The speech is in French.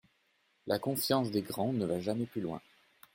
La confiance des grands ne va jamais plus loin.